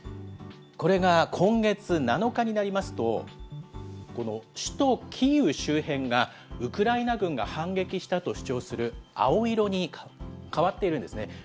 これが今月７日になりますと、この首都キーウ周辺が、ウクライナ軍が反撃したと主張する青色に変わっているんですね。